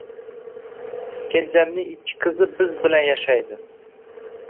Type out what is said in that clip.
Kenjamning ikki qizi biz bilan yashaydi.